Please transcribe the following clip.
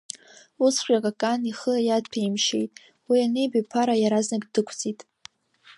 Усҵәҟьа Какан ихы иаҭәаимшьеит, уи аниба, Ԥара иаразнак дықәҵит.